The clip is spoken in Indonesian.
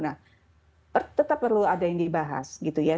nah tetap perlu ada yang dibahas gitu ya